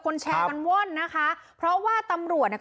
แชร์กันว่อนนะคะเพราะว่าตำรวจเนี่ย